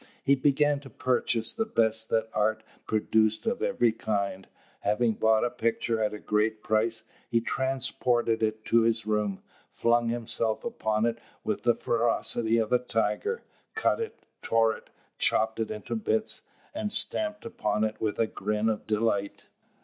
He began to purchase the best that art produced of every kind. Having bought a picture at a great price, he transported it to his room, flung himself upon it with the ferocity of a tiger, cut it, tore it, chopped it into bits, and stamped upon it with a grin of delight.